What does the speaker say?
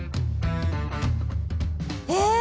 え？